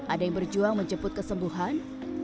ada yang berjuang menjemput kesembuhan